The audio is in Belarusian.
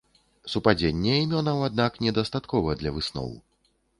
Супадзення імёнаў аднак недастаткова для высноў.